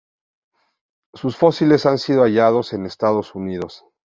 Sus fósiles han sido hallados en Estados Unidos.